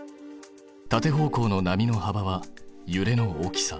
縦方向の波のはばはゆれの大きさ。